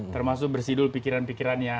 termasuk bersih dulu pikiran pikirannya